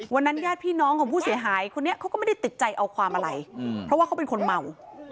วันนั้นญาติพี่น้องของผู้เสียหายเค้า